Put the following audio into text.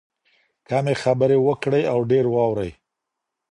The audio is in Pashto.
کمې خبرې وکړئ او ډېر واورئ.